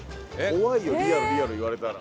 怖いよ「リアルリアル」言われたら。